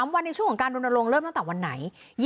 วันในช่วงของการรณรงค์เริ่มตั้งแต่วันไหน